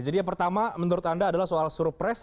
jadi yang pertama menurut anda adalah soal surprise